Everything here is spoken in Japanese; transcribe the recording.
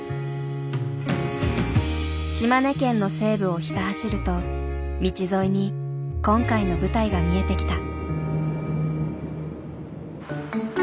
島根県の西部をひた走ると道沿いに今回の舞台が見えてきた。